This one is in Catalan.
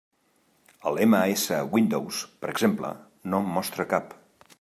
El MS Windows, per exemple, no en mostra cap.